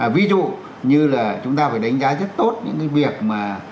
ví dụ như là chúng ta phải đánh giá rất tốt những cái việc mà